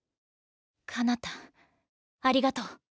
かなたありがとう。